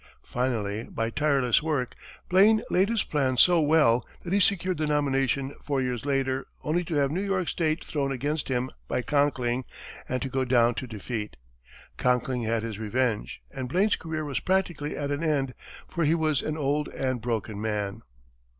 Finally, by tireless work, Blaine laid his plans so well that he secured the nomination four years later, only to have New York State thrown against him by Conkling and to go down to defeat. Conkling had his revenge, and Blaine's career was practically at an end, for he was an old and broken man.